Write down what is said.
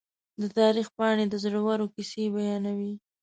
د تاریخ پاڼې د زړورو کیسې بیانوي.